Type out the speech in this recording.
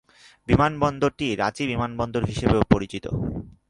বিমানবন্দরটি রাঁচি বিমানবন্দর হিসাবেও পরিচিত।